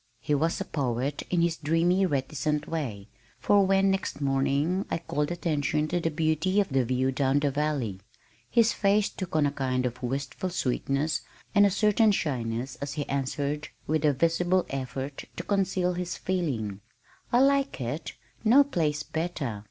He was a poet, in his dreamy reticent way, for when next morning I called attention to the beauty of the view down the valley, his face took on a kind of wistful sweetness and a certain shyness as he answered with a visible effort to conceal his feeling "I like it No place better.